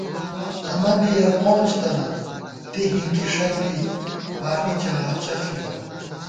امہ بی یَہ قونج تران دی ہِنکِݭَت بی بانی چغاچغ ݪِکہ